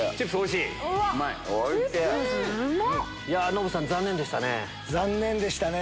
ノブさん残念でしたね。